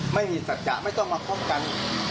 ไม่มีศักดิ์จักรไม่ต้องมาควบกัน